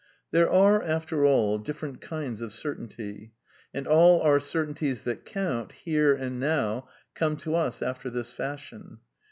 / There are, after all, different kinds of certainly. And /all our certainties that count, here and now, come to us / after this fashion.